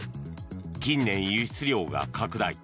近年、輸出量が拡大。